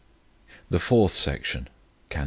The fourth section (Cant.